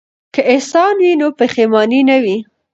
که احسان وي نو پښیماني نه وي.